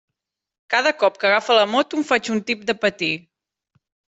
Cada cop que agafa la moto em faig un tip de patir.